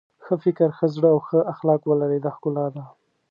ښه فکر ښه زړه او ښه اخلاق ولرئ دا ښکلا ده.